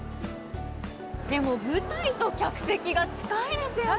でも舞台と客席が近いですよね。